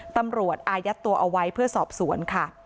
อายัดตัวเอาไว้เพื่อสอบสวนค่ะ